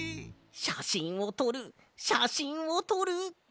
しゃしんをとるしゃしんをとる。